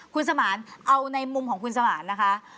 คุณสมานเอาในมุมของคุณสมานนะคะ